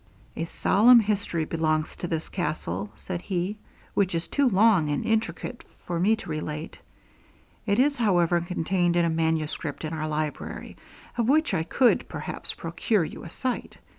'A solemn history belongs to this castle, said he, 'which is too long and intricate for me to relate. It is, however, contained in a manuscript in our library, of which I could, perhaps, procure you a sight.